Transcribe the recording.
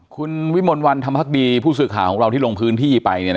คุณวิมลวันธรรมพักดีผู้สื่อข่าวของเราที่ลงพื้นที่ไป